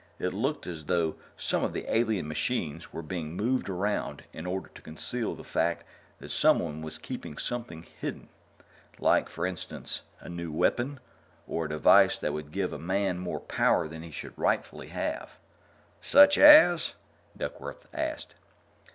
It looked as though some of the alien machines were being moved around in order to conceal the fact that someone was keeping something hidden. Like, for instance, a new weapon, or a device that would give a man more power than he should rightfully have." "Such as?" Duckworth asked.